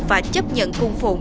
và chấp nhận cung phụng